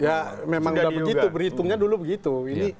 ya memang udah begitu berhitungnya dulu begitu ini makanya saya nggak kaget